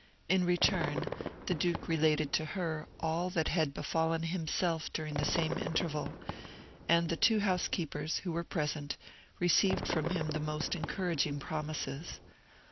In return the duke related to her all that had befallen himself during the same interval; and the two housekeepers, who were present, received from him the most encouraging promises.